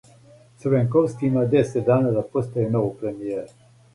Црвенковски има десет дана да постави новог премијера.